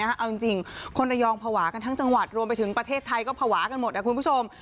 เอาจริงคนระยองภาวะกันทั้งจังหวัดรวมไปถึงประเทศไทยก็ภาวะกันหมดนะคุณผู้ชม